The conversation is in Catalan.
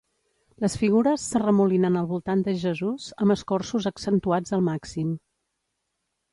Les figures s'arremolinen al voltant de Jesús, amb escorços accentuats al màxim.